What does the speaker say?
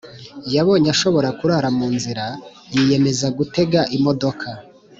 yabonye ashobora kurara mu nzira yiyemeza gutega imodoka.